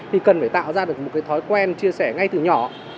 thì cần phải tạo ra được một cái thói quen chia sẻ ngay từ nhỏ